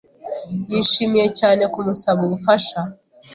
Yishimiye cyane kumusaba ubufasha.